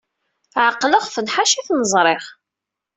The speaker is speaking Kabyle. Ɛeqleɣ-ten ḥaca i ten-ẓriɣ.